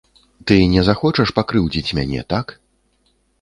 Ты не захочаш пакрыўдзіць мяне, так?